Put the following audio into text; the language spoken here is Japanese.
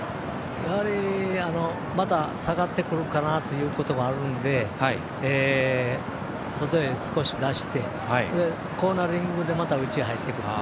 やはりまだ下がってくるかなということがあるので外へ少し出してコーナリングでまた内へ入ってくると。